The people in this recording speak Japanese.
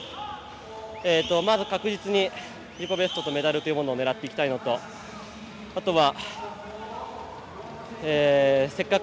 まず確実に自己ベストとメダルを狙っていきたいのとあとは、せっかく。